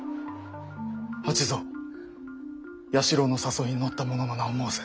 八蔵弥四郎の誘いに乗った者の名を申せ。